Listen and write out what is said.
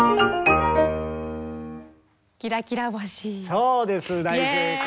そうです大正解！